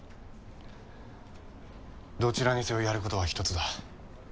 どちらにせよやることはひとつだ。